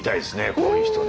こういう人ね。